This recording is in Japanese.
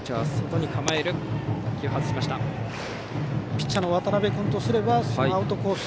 ピッチャーの渡辺君とすればアウトコース